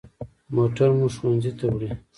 موټر مو ښوونځي ته وړي.